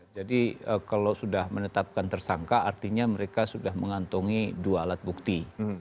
jadi kalau sudah menetapkan tersangka artinya mereka sudah mengantungi dua alat bukti